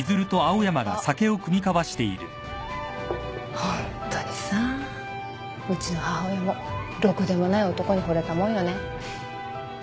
ホントにさうちの母親もろくでもない男にほれたもんよね。